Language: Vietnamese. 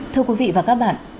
thưa quý vị và các bạn